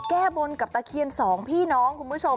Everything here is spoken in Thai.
แก้บนกับตะเคียนสองพี่น้องคุณผู้ชม